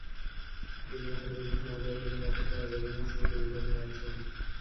তিন মাসের বেশি সময় ধরে তিনি পাথরচাপা বেদনার স্মৃতি বুকে নিয়ে আছেন।